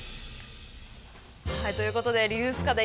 ということでリユース家電